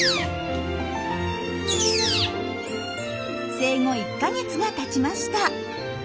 生後１か月がたちました。